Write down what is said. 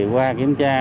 qua kiểm tra